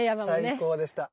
最高でした。